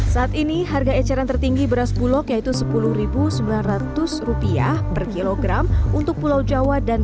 saat ini harga eceran tertinggi beras bulog yaitu rp sepuluh sembilan ratus per kilogram untuk pulau jawa dan